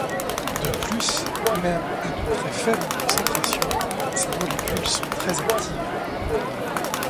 De plus, même à de très faibles concentrations, ces molécules sont très actives.